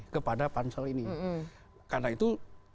kepada pansel ini karena itu